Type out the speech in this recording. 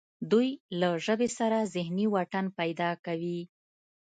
دوی له ژبې سره ذهني واټن پیدا کوي